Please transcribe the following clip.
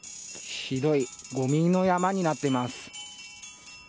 ひどいごみの山になっています。